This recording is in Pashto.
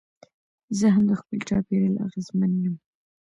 زه هم د خپل چاپېریال اغېزمن یم.